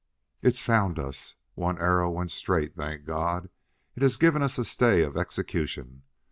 "It's found us. One arrow went straight, thank God! It has given us a stay of execution.